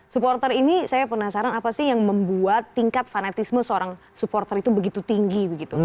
supporter ini saya penasaran apa sih yang membuat tingkat fanatisme seorang supporter itu begitu tinggi